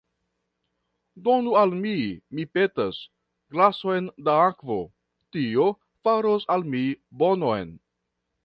Donu al mi, mi petas, glason da akvo; tio faros al mi bonon.